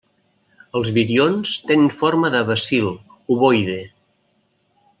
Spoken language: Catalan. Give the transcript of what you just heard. Els virions tenen forma de bacil, ovoide.